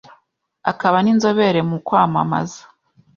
akaba n’inzobere mu kwamamaza.